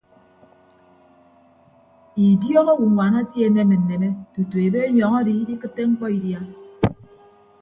Idiọk owonwaan atie aneme nneme tutu ebe anyọñ adi idikịtte mkpọ idia.